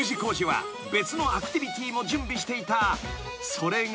［それが］